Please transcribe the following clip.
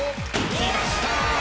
きました！